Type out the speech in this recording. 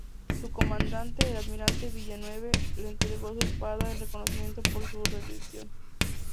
Su comandante, el almirante Villeneuve, le entregó su espada en reconocimiento por su rendición.